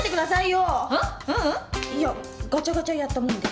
いやガチャガチャやったもんで。